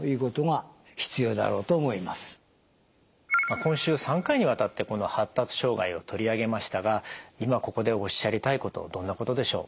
今週３回にわたってこの発達障害を取り上げましたが今ここでおっしゃりたいことどんなことでしょう。